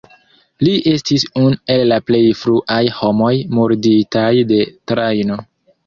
Li estis unu el la plej fruaj homoj murditaj de trajno.